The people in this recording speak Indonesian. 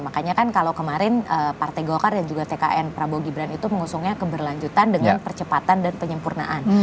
makanya kan kalau kemarin partai golkar dan juga tkn prabowo gibran itu mengusungnya keberlanjutan dengan percepatan dan penyempurnaan